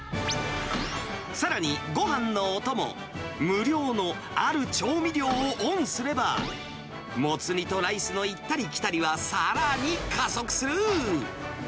さらに、ごはんのお供、無料のある調味料をオンすれば、モツ煮とライスの行ったり来たりはさらに加速する。